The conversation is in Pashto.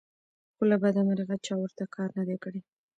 خو له بدمرغه چا ورته کار نه دى کړى